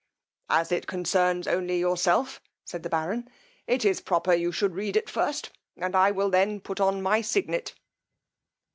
As it concerns only yourself, said the baron, it is proper you should read it first, and I will then put on my signet.